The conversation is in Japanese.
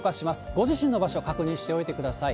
ご自身の場所、確認しておいてください。